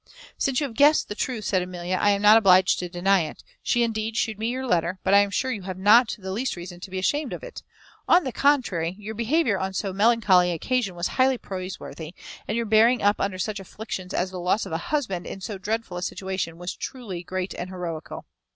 "Since you have guessed the truth," said Amelia, "I am not obliged to deny it. She, indeed, shewed me your letter, but I am sure you have not the least reason to be ashamed of it. On the contrary, your behaviour on so melancholy an occasion was highly praiseworthy; and your bearing up under such afflictions as the loss of a husband in so dreadful a situation was truly great and heroical."